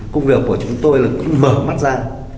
công việc của chúng tôi là cũng mở mắt ra